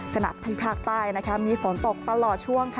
ขณะทางภาคใต้มีฝนตกประหล่อช่วง